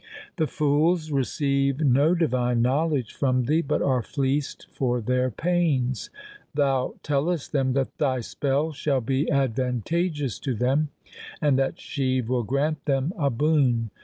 The fools receive no divine knowledge from thee, but are fleeced for their pains. Thou tellest them that thy spell shall be advantageous to them, and that Shiv will grant them a boon.